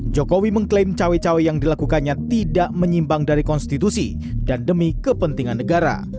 jokowi mengklaim cawe cawe yang dilakukannya tidak menyimbang dari konstitusi dan demi kepentingan negara